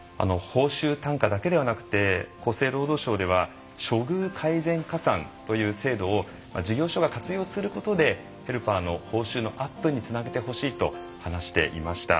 報酬単価だけではなくて厚生労働省では処遇改善加算という制度を事業所が活用することでヘルパーの報酬のアップにつなげてほしいと話していました。